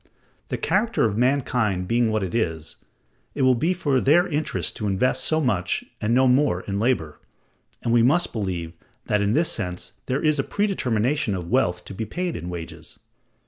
The character of mankind being what it is, it will be for their interest to invest so much and no more in labor, and we must believe that in this sense there is a predetermination of wealth to be paid in wages.